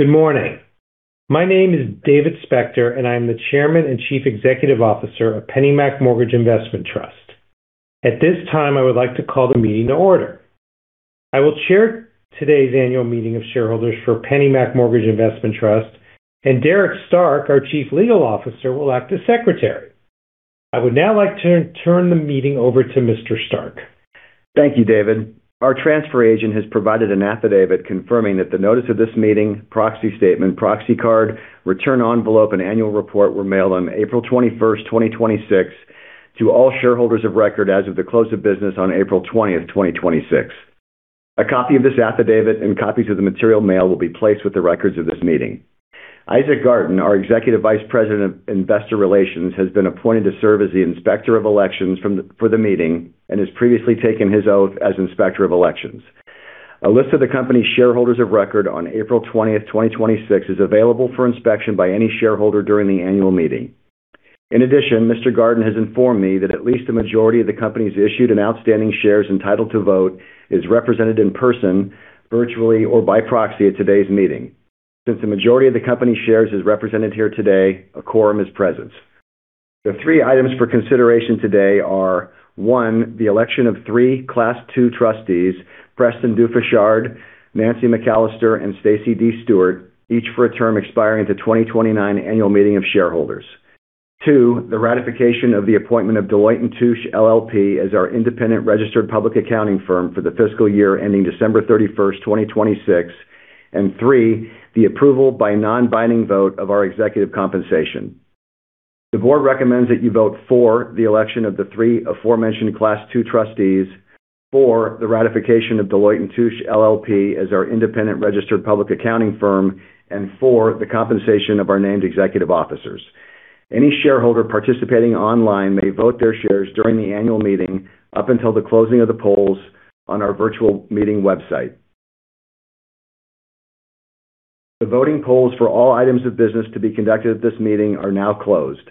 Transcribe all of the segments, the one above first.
Good morning. My name is David Spector, and I am the Chairman and Chief Executive Officer of PennyMac Mortgage Investment Trust. At this time, I would like to call the meeting to order. I will chair today's annual meeting of shareholders for PennyMac Mortgage Investment Trust, and Derek Stark, our Chief Legal Officer, will act as secretary. I would now like to turn the meeting over to Mr. Stark. Thank you, David. Our transfer agent has provided an affidavit confirming that the notice of this meeting, proxy statement, proxy card, return envelope, and annual report were mailed on April 21, 2026 to all shareholders of record as of the close of business on April 20, 2026. A copy of this affidavit and copies of the material mail will be placed with the records of this meeting. Isaac Garden, our Executive Vice President of Investor Relations, has been appointed to serve as the Inspector of Elections for the meeting and has previously taken his oath as Inspector of Elections. A list of the company's shareholders of record on April 20, 2026 is available for inspection by any shareholder during the annual meeting. In addition, Mr. Garden has informed me that at least a majority of the company's issued and outstanding shares entitled to vote is represented in person, virtually, or by proxy at today's meeting. Since the majority of the company's shares is represented here today, a quorum is present. The three items for consideration today are, one, the election of three Class 2 trustees, Preston DuFauchard, Nancy McAllister, and Stacy D. Stewart, each for a term expiring at the 2029 Annual Meeting of Shareholders. Two, the ratification of the appointment of Deloitte & Touche LLP as our independent registered public accounting firm for the fiscal year ending December 31, 2026. Three, the approval by non-binding vote of our executive compensation. The board recommends that you vote for the election of the three aforementioned Class 2 trustees, for the ratification of Deloitte & Touche LLP as our independent registered public accounting firm, and for the compensation of our named executive officers. Any shareholder participating online may vote their shares during the annual meeting up until the closing of the polls on our virtual meeting website. The voting polls for all items of business to be conducted at this meeting are now closed.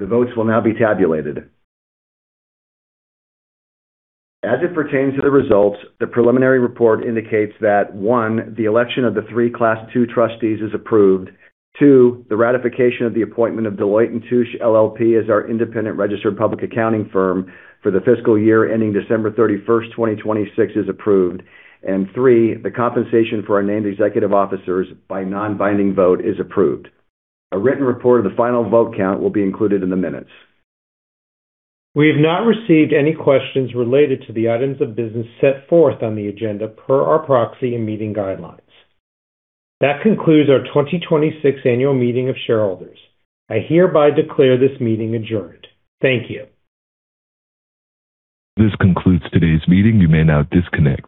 The votes will now be tabulated. As it pertains to the results, the preliminary report indicates that, one, the election of the three Class 2 trustees is approved. Two, the ratification of the appointment of Deloitte & Touche LLP as our independent registered public accounting firm for the fiscal year ending December 31, 2026 is approved. Three, the compensation for our named executive officers by non-binding vote is approved. A written report of the final vote count will be included in the minutes. We have not received any questions related to the items of business set forth on the agenda per our proxy and meeting guidelines. That concludes our 2026 Annual Meeting of Shareholders. I hereby declare this meeting adjourned. Thank you. This concludes today's meeting. You may now disconnect.